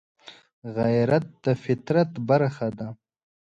غیرت د فطرت برخه ده